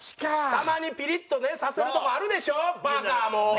たまにピリッとねさせるとこあるでしょ？